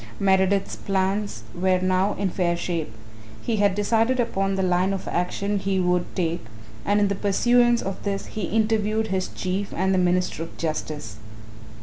Meredith's plans were now in fair shape. He had decided upon the line of action he would take and in the pursuance of this he interviewed his Chief and the Minister of Justice.